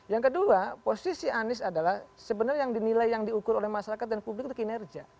yang kedua posisi anies adalah sebenarnya yang dinilai yang diukur oleh masyarakat dan publik itu kinerja